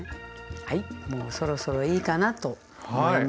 はいもうそろそろいいかなと思います。